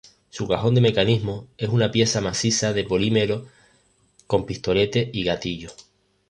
Su cajón de mecanismos es una pieza maciza de polímero con pistolete y gatillo.